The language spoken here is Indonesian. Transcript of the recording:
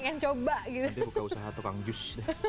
nanti buka usaha tokang jus